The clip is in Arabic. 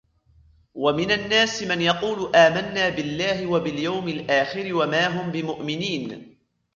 ومن الناس من يقول آمنا بالله وباليوم الآخر وما هم بمؤمنين